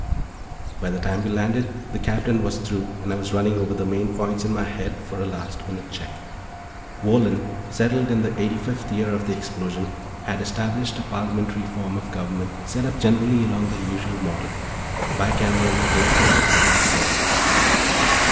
By the time we landed, the Captain was through and I was running over the main points in my head, for a last minute check. Wohlen, settled in the eighty fifth year of the Explosion, had established a Parliamentary form of government, set up generally along the usual model: bicameral, elective and pretty slow.